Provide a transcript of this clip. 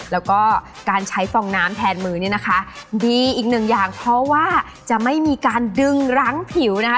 แล้วก็การใช้ฟองน้ำแทนมือเนี่ยนะคะดีอีกหนึ่งอย่างเพราะว่าจะไม่มีการดึงรั้งผิวนะคะ